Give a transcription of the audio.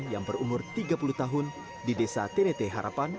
yang berumur tiga puluh tahun di desa tdt harapan